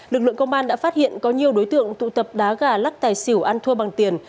lực lượng công an đã phát hiện có nhiều đối tượng tụ tập đá gà lắc tài xỉu ăn thua bằng tiền